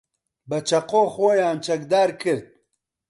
بە چەقۆ خۆیان چەکدار کرد.